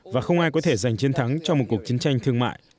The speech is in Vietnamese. và không ai có thể giành chiến thắng cho một cuộc chiến tranh thương mại